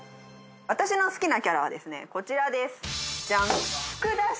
私の好きなキャラはこちらです！